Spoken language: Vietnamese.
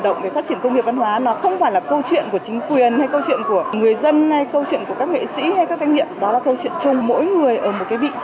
đó là câu chuyện cho mỗi người ở một vị trí những chức năng và nhiệm vực khác nhau phải đồng lòng và phải có trách nhiệm